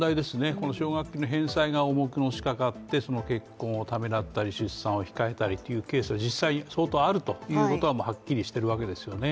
この奨学金の返済が重くのしかかって、結婚をためらったり出産を控えたりというケースが実際に相当あるということはもうハッキリしているわけですよね。